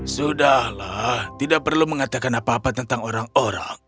sudahlah tidak perlu mengatakan apa apa tentang orang orang